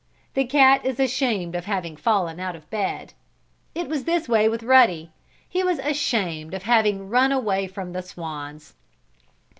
The cat is ashamed of having fallen out of bed. It was this way with Ruddy. He was ashamed of having run away from the swans.